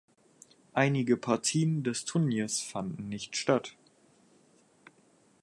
Einige Partien des Turniers fanden nicht statt.